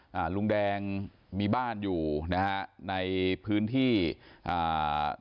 อ่าลุงแดงมีบ้านอยู่นะฮะในพื้นที่อ่า